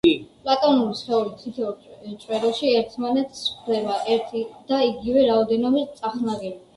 პლატონური სხეულის თითოეულ წვეროში ერთმანეთს ხვდება ერთი და იგივე რაოდენობის წახნაგები.